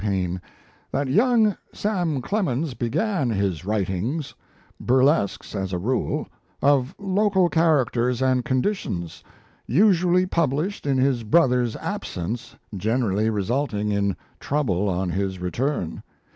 Paine, "that young Sam Clemens began his writings burlesques, as a rule, of local characters and conditions usually published in his brother's absence, generally resulting in trouble on his return.